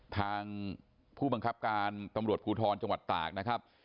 ทางผู้บังคับการตำรวจภูทรจังหวัดตากนะครับ